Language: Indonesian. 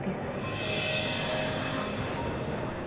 terima kasih dok